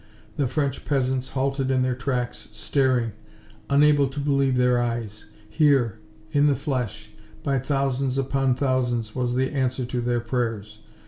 The French peasants halted in their tracks, staring, unable to believe their eyes. Here, in the flesh, by thousands upon thousands, was the answer to their prayers.